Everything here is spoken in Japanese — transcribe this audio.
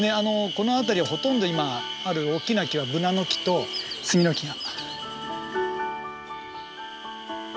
この辺りはほとんど今ある大きな木はブナの木とスギの木が。